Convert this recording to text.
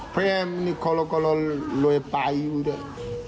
เพื่อนก็ลุยไปอยู่ด้วย